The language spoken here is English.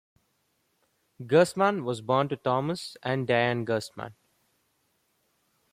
Gerstmann was born to Thomas and Diane Gerstmann.